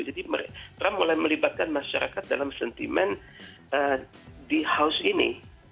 jadi trump mulai melibatkan masyarakat dalam sentimen di house ini